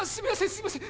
すいません